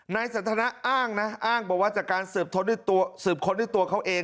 สันทนาอ้างนะอ้างบอกว่าจากการสืบค้นด้วยตัวเขาเอง